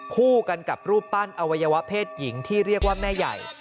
คู่กันกับรูปปั้นอวัยวะเพศหญิงที่เรียกว่าแม่ใหญ่